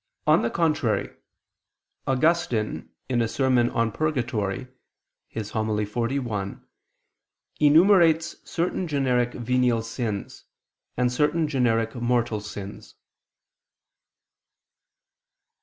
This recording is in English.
On the contrary, Augustine, in a sermon on Purgatory (De Sanctis, serm. xli), enumerates certain generic venial sins, and certain generic mortal sins.